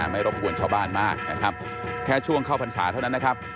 ไม่รบกวนชาวบ้านมากนะครับแค่ช่วงเข้าพรรษาเท่านั้นนะครับ